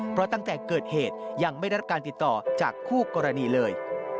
เพราะตั้งแต่เกิดเหตุยังไม่ได้รับการติดต่อจากคู่กรณีเลย